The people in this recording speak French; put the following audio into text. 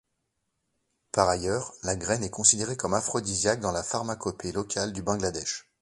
Par ailleurs, la graine est considérée comme aphrodisiaque dans la pharmacopée locale du Bangladesh.